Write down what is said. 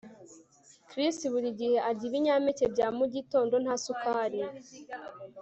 Chris buri gihe arya ibinyampeke bya mugitondo nta sukari